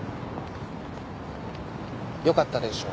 よかったでしょ？